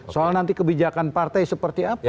soal nanti kebijakan partai seperti apa